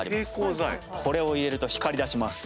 これを入れると光りだします。